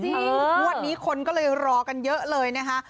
งวดนี้คนก็เลยรอกันเยอะเลยนะคะ